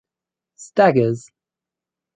Staggers.